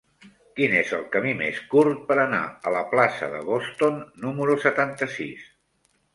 Quin és el camí més curt per anar a la plaça de Boston número setanta-sis?